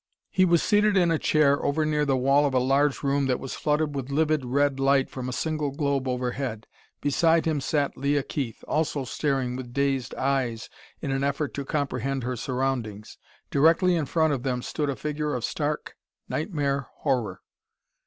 He was seated in a chair over near the wall of a large room that was flooded with livid red light from a single globe overhead. Beside him sat Leah Keith, also staring with dazed eyes in an effort to comprehend her surroundings. Directly in front of them stood a figure of stark nightmare horror.